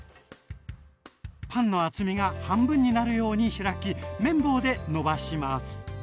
パンの厚みが半分になるように開き麺棒でのばします。